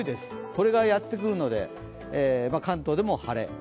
これがやってくるので、関東でも晴れ。